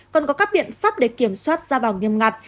còn có các biện pháp để kiểm soát gia bảo nghiêm ngặt